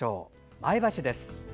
前橋です。